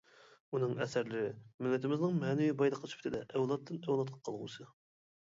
ئۇنىڭ ئەسەرلىرى مىللىتىمىزنىڭ مەنىۋى بايلىقى سۈپىتىدە ئەۋلادتىن ئەۋلادقا قالغۇسى.